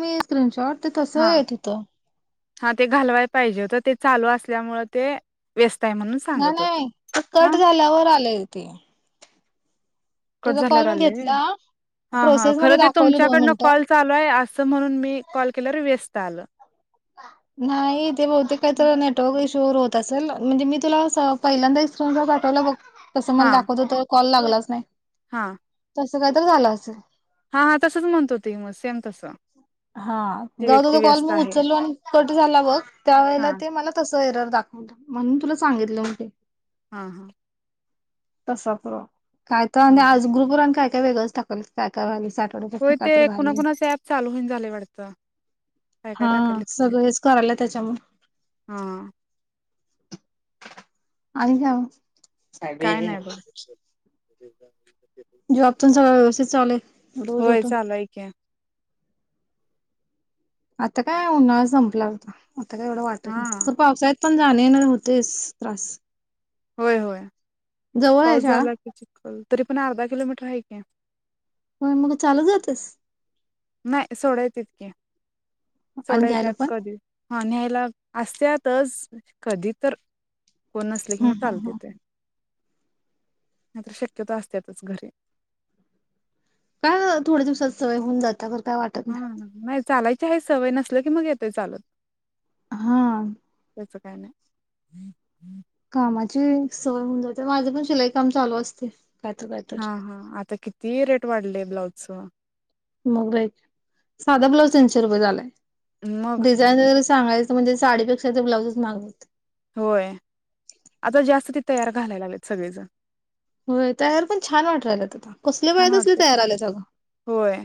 म screenshot, तर हा तसं आहे तिथं. हा ते घालवाय पाहिजे, तर ते चालू असल्यामुळे ते व्यस्त आहे म्हणून नाही सांगत होत नाही, ते हा कट झाल्यावर आले. ते. कट तुझा झाल्यावर कॉल मी आले. घेतला हा हा प्रोसेस खर मध्ये ते दाखवलं दोन तुमच्याकडन मिनिटं कॉल चालू आहे असं म्हणून मी कॉल केल्यावर व्यस्त. आता आलं. नाही. ते बहुते काही तर नेटवर्ग ईश. शोर होत असल, म्हणजे मी तुला असा पहिल्यांदा इस्टों पाठवला बघ.. तसं मला हा दाखवत होत. कॉल लागलाच नाही. हा. असं काय तर झालं असेल. हा हा तसच म्हणतो त मग सेम. तसां. हा जेव्हा तुझा कॉल मी आहे उचललो आणि कट झाला बघ, त्या हा वेळेला ते मला तस एरर. दाखव म्हणून तुला सांगितलं. हा. तसा प्र. काय तर हा म्हणे आज ग्रुपवर काय? ते वेगळेच टाकल काय काय वाणी. होय ते कोणा-कोणाच ऍप चालू होईना. झाले वाटत काय काय हा टाकलेत? सगळेच करायला त्याच्यामुळे हं. आणि ह्या. काय नाही बघ [unintelligible] [unintelligible] चालेल. होय चालू आहे की. आता काय उन्हाळा संपला होता. आता काय एवढं वाटत हा नाही पण पावसाळ्यात. पण जाणे न होतेच त्रास. होय होय. जवळ आहे पाऊस शाळा झाला की चिकल. तरी पण अर्धा किलोमीटर आहे की. पण मग एवढ चालत जातेस? नाही सोडेल तितके. आणि सोडाय घ्यायला येतात पण कधी आणि न्यायला. असत्यातच कधी तर. कोण नसले कि हम् मग हम हम चालतंय. नाही तर शक्यतो असत्यातच घरी. काय ओ थोड्या दिवसात सवय होऊन जाती. त्यामुळ तर काय वाटत नाही. ते हे सवय नसल की मग येतोय चालत. हा. आमचं काय नाय. कामाची सवय होऊन जाते. माझे पण शिलाई काम चालू असते. कायतर कायतर हा! हा! आता किती रेट वाढलेय ब्लाऊजचे. मुंबईत साधा ब्लाऊज तीनशे रुपये झालाय. मग डिझायनरच सांगायचं म्हणजे साडीपेक्षा ते ब्लाउजच महाग झालेत. होय, आता जास्त तयार घालायला लागलेत सगळेजण. होय, तयार पण छान वाटू राहिलात. आता कसले बाह्या छान कसले वाटते तयार आल्या अग. होय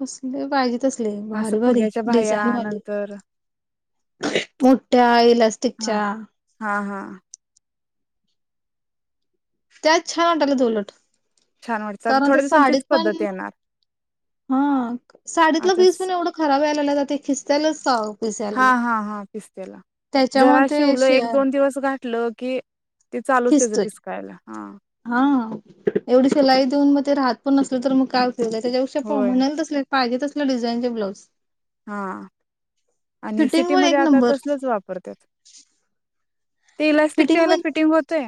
कसले पाहिजे? कसले असं भारी भारी फुग्याच्या बाह्या डिझाईनवाले, नंतर मोठ्या हा इलास्टिकच्या. हा हा त्यात छान वाटलं, तर उलट. छान वाटतं आता कारण ते थोड्या दिवसांनी साडीत तीच पण पद्धत येणार हा साडीतला आता पीस पण एवढं खराब यायला लागतं, ते खिशातलाच पीस हा हा हा पिसतेला त्याच्यामध्ये यायला लागलं. अलक. ते चालूच त्याचं पिसकायला आहे. हा. एवढी सलाई देऊन मग ते राहातं, पण नसलं तर मग काय? त्याच्यापेक्षा होय पर्मनंट असतं. पाहिजे तसं डिझाइनचं ब्लाउज. हा, आणि फिटिंग पण सिटीमध्ये एक आता नंबर तसलंच वापरतात. ते इलास्टिकचे, याला फिटिंग होते.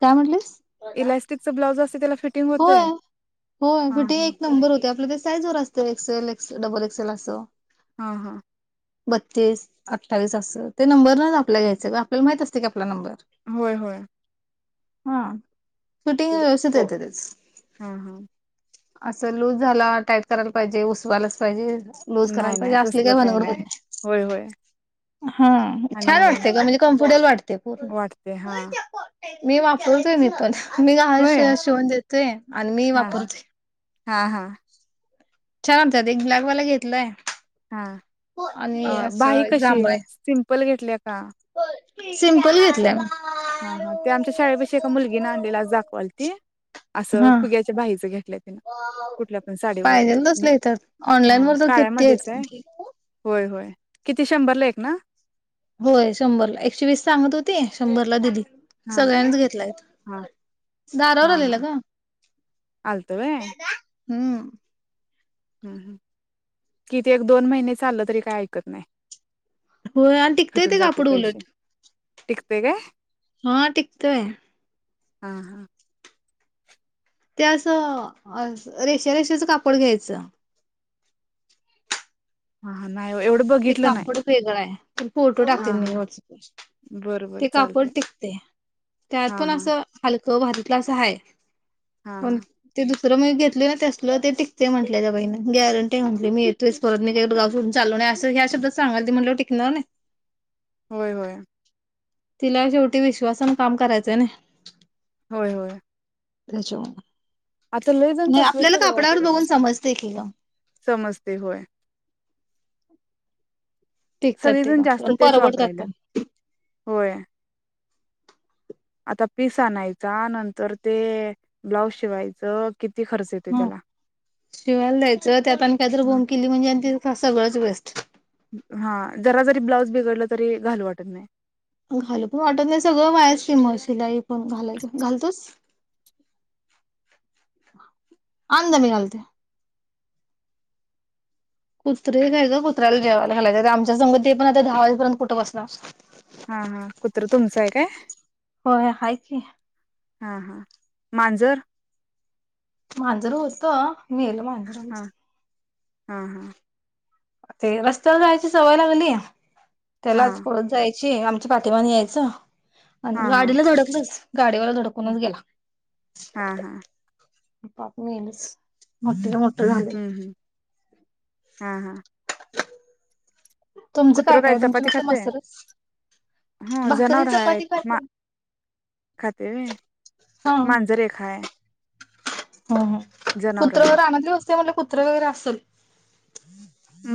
काय म्हटलीस? इलास्टिकचा ब्लाउज असतो. [inaudible] होय, होय. कुठे एक नंबर होतं, आपल्या साईजवरच असतं. एल डबल एक्सएल असतो. हा हा. बत्तीस, अठ्ठावीस असे ते नंबर नाहीत आपल्याला घ्यायचे, आपल्याला माहीत असते की आपला नंबर कोणता आहे. होय, होय. हा शूटिंग व्यवस्थित येत आहे. ह. हम्, हम्! असं लूज झालं आहे, टाईट करायला पाहिजे, उसवायलाच पाहिजे लूज करायला नाही, नाही, पाहिजे असली तसं काय काही भानगड होत नाही. होय, होय. हा छान आणि वाटते ग म्हणजे, कम्फर्टेबल वाटते. वाटते हा मी वापरतोय वीपरस. मी होय हे शिवून देतोय, आणि मी हा हा वापरत हा हा छान, वाटतात एक ब्लॅकवाला घेतलाय. हा अ आणि असं बाई- - सिल सिम्पल घेतल्या. का सिंपल घेतल्या. हा, हा ते आमच्या शाळे पशी एका मुलगी आणलेले दाखव ती! असं हा फुग्याच्या बाही सग पाहिजेल तसल्या येतात, हा ऑनलाइन वर तर किती काळ्यामध्येच आहे आहेत. होय होय किती शंभरला एक ना? होय, शंभरला एकशे वीस सांगत होते, शंभरला दिली. हा सगळ्यांनीच घेतलाय, हा दारावर हा आलेला हा ग आलतं व्हय हम्म हम्म. किती एक दोन महिने चाललं तरी काय ऐकत नाही. होय आ टिकताय ते कापड उलट, टिकत काय? हा टिकतय. हा हा ते असं, रेषा रेषाच कापड घ्यायचं. हा हा. नाही हो एवढं ते बघितलं नाही कापड वेगळा आहे़. फोटो टाकते हा हा मी व्हाट्सअप वर बरं बरं ते कापड चालते टिकतय त्यात हा पण हा असं हल तो भारीतलाच हाय. हा पण हा ते द तुला मी घेतल ना त्यासलं ते टिकते म्हटले त्या बाईन, गॅरंटी म्हटली मी येतेहेच परत, मी गाव सोडून चाललो नाही असं ह्या शब्दात सांगालती म्हटल्यावर टिकणार नाही? होय होय. तिला शेवटी विश्वासन काम करायचंय नइ होय होय. त्याच्या आता लई जण तसलं सगळं वापरायलं लागलया, समजते की गं समजतय होय. टिकतात सगळी ते जण कापड जास्त आणि तेच परवडतात वापरायले, पण होय. आता पीस आणायचा, नंतर ते ब्लाऊज शिवायचं! किती खर्च येतोय हम. त्याला शिवायला द्यायचं त्यात आणि काहीतर बोम किल्ली म्हणजे, आणि सगळंच वेस्ट. हा जरा जरी ब्लाऊज बिघडलं तरी घालू वाटत नाही. घालू पण वाटत नाही सगळं वायाच की मग शिलाई पण घालायच पण, घालतोस, आणना मी घालते. कुत्रे काय ग, कुत्याला जेवाला घालायचे तर आमच्या संग ते पण आता दहा वाजेपर्यंत कुठं बसणार हा हा, कुत्र तुमचंय काय? होय हाय की हा हा, मांजर मांजर होतं मेल माांजर आमच. हा हा हा ते रस्त्यावर जायची सवय लागली हा त्यालाच पळतय. चे आमच्या पाठीमागे यायचं. हा आणि हा गाडीला धडकलं गाडीवाला धडकूनच गेला. हा हा मग मेलच, मोठ्ठी रे गो राणी, हम्म हम्म हा हा तुमचं कुत्र काय कााय काय तुमची चपाती फक्त खाते मसरच ह भाकरी जनावर हाय चपाती खाते खाते हा मांजरे खाय ह कुत्र आहेत रानाली असते मला तर असलेल्या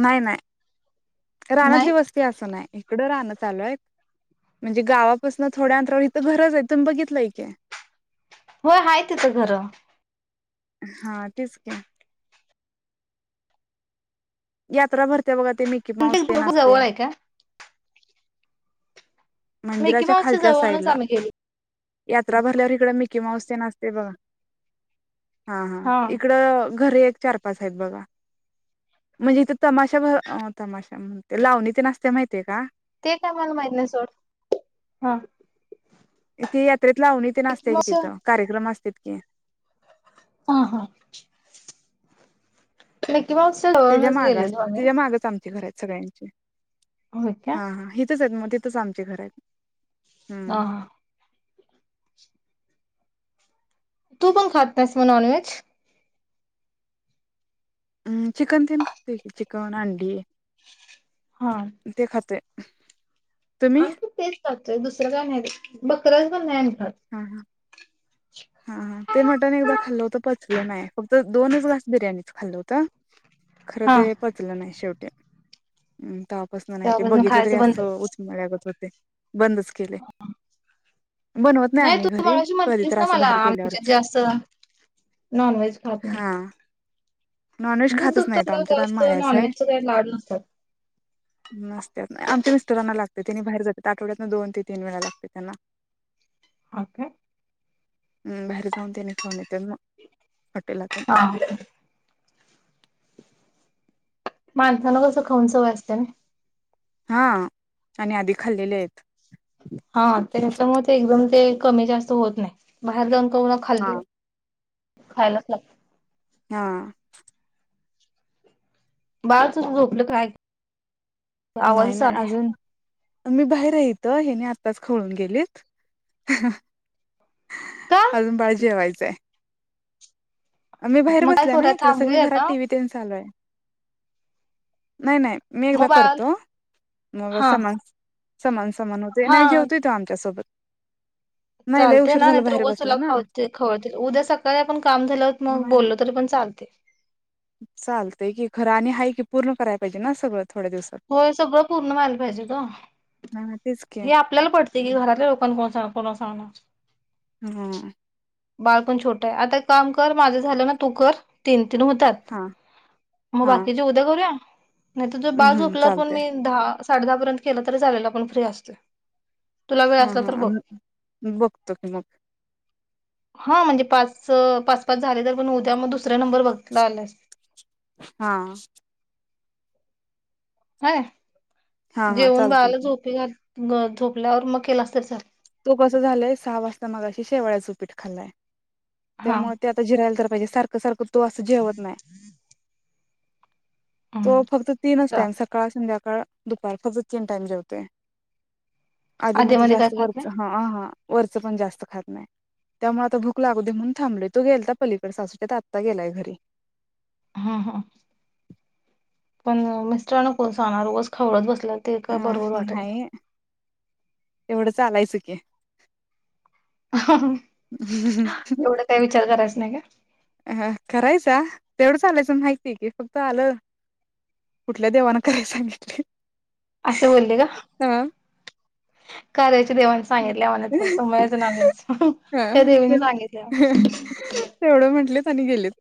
नाही नाही रानातली नाही वस्ती असं नाही इकडं राहणं चालूय म्हणजे गावापासन थोड्या अंतराव इथं घरच आहे इथून बघितलं की होय आहे तिथं घर. हा तेच की. यात्रा भरते बघा ते मिकी माऊस तेन खूप असते जवळ आहे का? मिकी मंदिराच्या माऊसच्या खालच्या जवळूनच साईडला आम्ही गेलो यात्रा भरल्यावर इकड मी. कमवश्य ना असते ब हा हा इकड घरी. चार पाच आहेत बघा म्हणजे इथे तमाशा तमाशा म्हण लावणी ते नाचते माहितीे का? ते काय मला माहित नाही सोड. इथ. लावून तेे मिकी नाचते का माऊस तथं कार्यक्रम असते. अओके. हा हा. किंवाूनच गेलोतो आम्ही. घरात सगळ्यांचे. होय का? हा हा हीथच आहेत म तिथं च आमचे घर आहेत. हा हम्म हा. तू पण खात नाहीस म नॉनव्हेज? हम्म चिकन तेन खातोय की, चिकन, अंडी. हा. ते खातोय. [inaudible] आम्ही बी तेच खातोय. दुसरं काय नई बई. बकऱ्याच पण नाही आम्ही खात. हा ह हा हा. ते मटन एकदा खाल्लो होत प पचलं नाही. फक्त दोनच घास बिर्याणीच खाल्ल होत. खरं हा. ते पचलं नाही शेव हम्म तवा पसन नाही ते, तेव्हापासून बघितलं तरी खायचं बंद असं उचमल्यागत होतय. [unintelligible] बंदच केलय. नाइ तू मगाशी म्हटलीस तर ना असं मला, बाहेर आमच्यात गेल्यावरच जास्त नॉन व्हेज खात नइ. हा नॉनव्हेज खातच नायीत आमच्यात आणि माळ्याच हाय. नॉनव्हेजच काही लाड नसतात. नस्त्यात आमचे मी मिस्टराना लागतय त्यांनी बाहेर जात्यात. आठवड्यातन दोन ते तीन वेळा लागते त्यांना. ह काय? हम्म बाहेरच जाऊन तेनी खाऊन येतात मग, हॉटेला तेन. हा माणसाला कस खाऊन सवय असत नई. हा आणि आधी खाल्लेलेयेत. हा त्याच्यामुळे ते एकदम ते कमी जास्त होत नई. बाहेर जाऊन तेवा हा खाल्लेय खायलाच लागतंय. हा. बाळ तुझं झोपल काय? नाही आवाजच नाही आला अजून मी बाहेर ये इत. हेनी आत्ताच खवळून गेलीत. का अजून बाळ जेवायचय. आमी बाहेर मग काय बसल्या ना करूया इकडं सगळी, थांबूया घरात का टी वी तेन चालूय. नाय नाय. मी एकदा मग बाळ करतो, मग हा समान समन्स ण होतय, नाही जेवतोय तो आमच्यासोबत नाही लय चालतय उशीर ना झाला नाही तर बाहेर उगाच बसल्या तुला ना खा खवळतील उद्या सकाळी आपण काम झाल्या होत मग बोललो तरी पण चाल ते चालतय की खर आणि आहे की पूर्ण कराय पाहिजे ना सगळ? होय, सगळ पूर्ण व्हायला पाहिजे का? हा तेच की हे आपल्याला पटतेय की घरातल्या लोकाना कोण कोण सांगणार. हम. बाळपण छोट आहे, आता काम कर माझ झाल ना तू कर तीन न होतात हा मग हा बाकीची उद्या करुया? नाही त तुझ बाळ हम्म झोपल पण चालतंय मी दहा अस साडे दहा पर्यंत केलं तरी झालेला आपण फ्री असतोय तुला वेळ हा असला हा तर बघ बघतो कि मग हा म्हणजे पाच पाच पाच झाले तर पण उद्या मग दुसर दुसऱ्या नंबर बघ नाई नाई हा व्हय हा हा जेऊन चालतंय बाळाला की झोपी घाल ग झोपल्यावर मग केलास तर चाल तो कस झालय सहा वाजता मगाशी शेवाळ्याचं उपीठ खाल्लाय हा त्यामुळे ते आता जिरायला तर म्हणजे सारख सारख तो अस जेवत नाय तो हम्म फक्त तीनच टाईम चालेल. सकाळ संध्याकाळ सकाळ दुपार फक्त तीन टाईम जेवतोय आधी मध्ये मधी काय जास्त खात नाय वरच हा हा वरच पण जास्त खात नाय त्यामुळे आता भूक लागू दे म्हणून थांबलोय तो गेलता पलीकड सासोटीत आता गेलाय घरी हा हा पण अ मिस्टरांना कोण सांगणार उगच खवळत बस ते अ काय बरोबर वाटत नाही चालायच की ह्ह्ह एवढा काय विचार करायच नाही काय. [inaudible] अ करायचा तेवढंच चालायचं माहिती की फक्त आलं कुठल्या देवाना कराय सांगितलय. असं बोलले का. [unintelligible] देवनी सांगितल्या म्हणा त्या समाज्याच नाव घ्यायच हा त्या देवीनी ते सांगितल्या आणी गेलेत.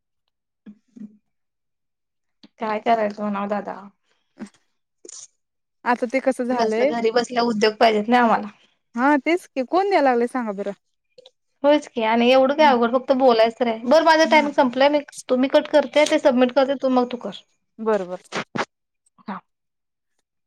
काय करायच म्हणाव दादा आता ते कसं झालंय बसलं घरी बसल्या उद्योग पाहिजेत ना आम्हाला याय लागलय सांगा बरं. होयच की आणि एवढं काय अवघड फक्त बोलायचं तरी आहे बर माझा हा टाइमिंग संपलंय मी तुम्ही कट करते ते सबमिट करते. तु मग तू कर. बरोबर. [inaudible]